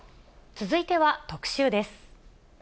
続いては特集です。